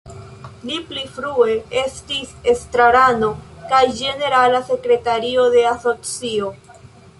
Li pli frue estis estrarano kaj ĝenerala sekretario de la asocio.